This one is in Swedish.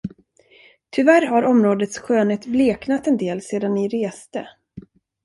Tyvärr har områdets skönhet bleknat en del sedan ni reste.